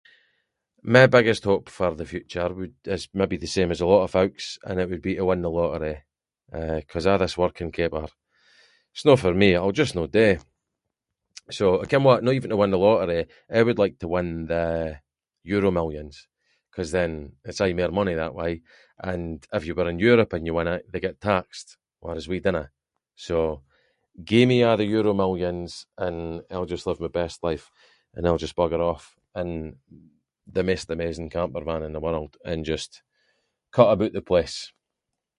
My biggest hope for the future would- is maybe the same as a lot of folks and it would be to win the lottery, eh, ‘cause a’ this working caper, it’s no for me, it’ll just no do, so ken what, no even to win the lottery, I would like to win the EuroMillions, cause then it’s aie mair money that way and if you were in Europe and you win it, they get taxed, whereas we dinna, so gie me a’ the EuroMillions and I’ll just live my best life, and I’ll just bugger off in the maist amazing campervan in the world, and just cut aboot the place.